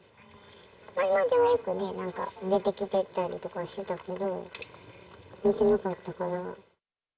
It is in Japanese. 前まではよくね、なんか出てきたりとかしてたけど、見てなかったから。